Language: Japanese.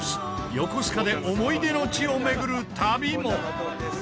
横須賀で思い出の地を巡る旅も。